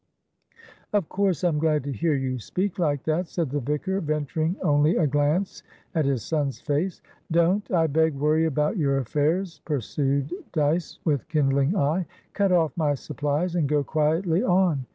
"Of course I'm glad to hear you speak like that," said the vicar, venturing only a glance at his son's face. "Don't, I beg, worry about your affairs," pursued Dyce, with kindling eye. "Cut off my supplies, and go quietly on."